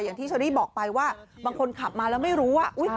อย่างที่เชอรี่บอกไปว่าบางคนขับมาแล้วไม่รู้ว่า